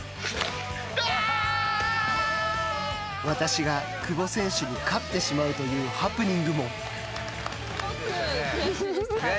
私が久保選手に勝ってしまうというハプニングも。